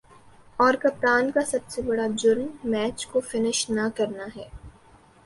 اور کپتان کا سب سے برا جرم" میچ کو فنش نہ کرنا ہے